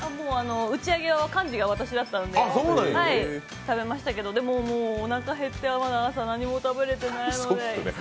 打ち上げは幹事が私だったんで、食べましたけど、でも、おなか減って、まだ朝何にも食べられてないので。